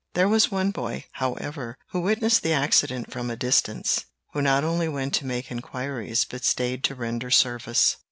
There was one boy, however, who witnessed the accident from a distance, who not only went to make inquiries, but stayed to render service.